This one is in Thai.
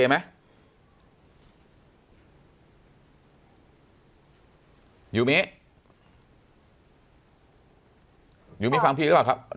ยูมิยูมิยูมิฟังพี่รึเปล่าครับ